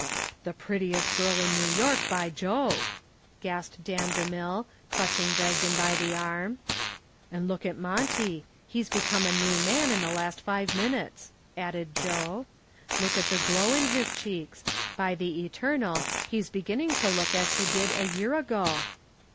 "The prettiest girl in New York, by Jove," gasped Dan DeMille, clutching Bragdon by the arm. "And look at Monty! He's become a new man in the last five minutes," added Joe. "Look at the glow in his cheeks! By the eternal, he's beginning to look as he did a year ago."